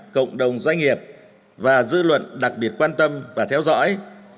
cộng đồng doanh nghiệp và dư luận đặc biệt quan tâm và theo dõi